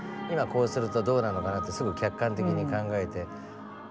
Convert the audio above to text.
今こうするとどうなのかなってすぐ客観的に考えて。